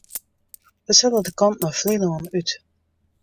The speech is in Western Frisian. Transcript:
Wy sile de kant nei Flylân út.